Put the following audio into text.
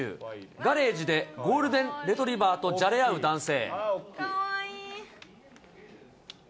ガレージでゴールデンレトリバーとじゃれ合う男性。